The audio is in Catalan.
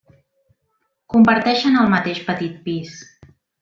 Comparteixen el mateix petit pis.